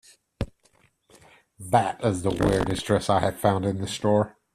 That is the weirdest dress I have found in this store.